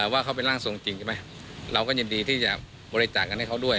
ว่าเขาเป็นร่างทรงจริงใช่ไหมเราก็ยินดีที่จะบริจาคกันให้เขาด้วย